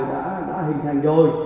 đã hình thành rồi